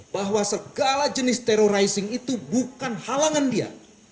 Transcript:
bahwa segala jenis terrorizing itu bukan halangan dia